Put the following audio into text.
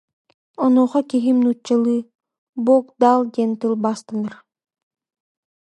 Онуоха киһим нууччалыы: «Бог дал диэн тылбаастанар»